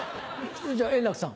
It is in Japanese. じゃあ円楽さん。